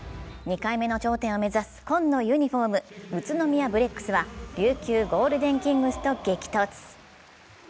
２回目の頂点を目指す紺のユニフォーム、宇都宮ブレックスは琉球ゴールデンキングスと激突。